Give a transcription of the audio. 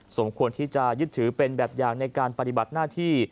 สมควรที่จะยึดถือเป็นแบบอย่างในการปฏิบัติหน้าที่